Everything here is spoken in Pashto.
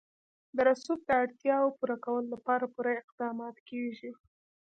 د رسوب د اړتیاوو پوره کولو لپاره پوره اقدامات کېږي.